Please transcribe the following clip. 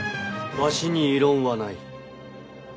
わしに異論はない。